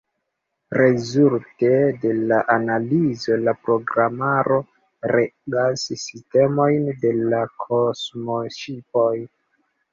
Rezulte de la analizo la programaro regas sistemojn de la kosmoŝipoj.